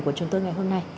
của chúng tôi ngày hôm nay